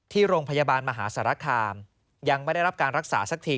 ที่โรงพยาบาลมหาสารคามยังไม่ได้รับการรักษาสักที